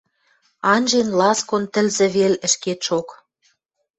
Анжен ласкон тӹлзӹ вел ӹшкетшок.